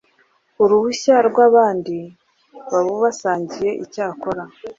uruhushya rw abandi babusangiye icyakora